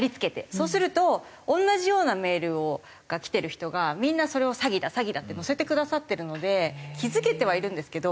そうすると同じようなメールが来てる人がみんなそれを詐欺だ詐欺だって載せてくださってるので気付けてはいるんですけど。